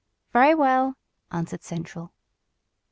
"Very well," answered central.